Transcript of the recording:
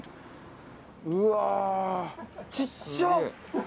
うわー！ちっちゃ！